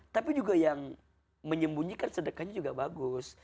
tapi juga yang menyembunyikan sedekahnya juga bagus